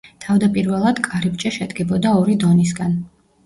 თავდაპირველად, კარიბჭე შედგებოდა ორი დონისგან.